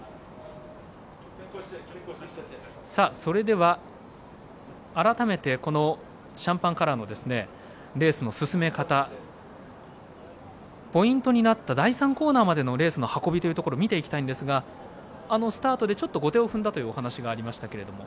それでは、改めてこのシャンパンカラーのレースの進め方ポイントになった第３コーナーまでのレースの運びというのを見ていきたいんですがスタートでちょっと後手を踏んだというお話がありましたけれども。